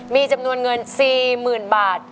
มีจำนวนเงินสี่หมื่นบาท